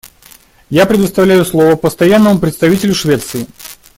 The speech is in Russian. Я предоставляю слово Постоянному представителю Швеции.